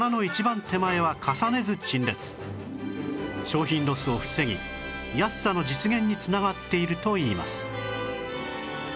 商品ロスを防ぎ安さの実現に繋がっているといいます